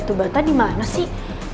batu bata dimana sih